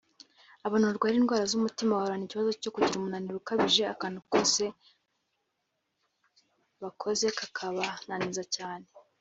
Abantu barwaye indwara z’umutima bahorana ikibazo cyo kugira umunaniro ukabije akantu ako ariko kose bakoze kakabananiza cyane